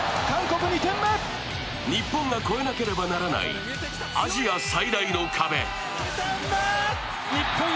日本が超えなければならないアジア最大の壁。